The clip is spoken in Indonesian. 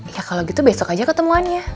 ya kalau gitu besok aja ketemuannya